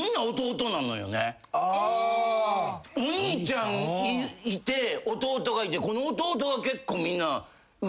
お兄ちゃんいて弟がいてこの弟が結構みんな売れて。